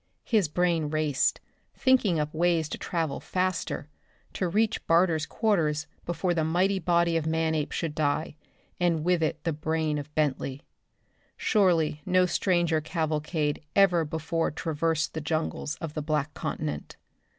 His brain raced, thinking up ways to travel faster, to reach Barter's quarters before the mighty body of Manape should die, and with it the brain of Bentley. Surely no stranger cavalcade ever before traversed the jungles of the Black Continent.